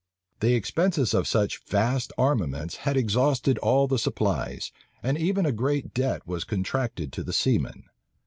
The expenses of such vast armaments had exhausted all the supplies,[*] and even a great debt was contracted to the seamen.